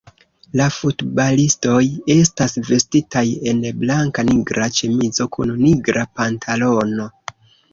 La futbalistoj estas vestitaj en blanka-nigra ĉemizo kun nigra pantalono.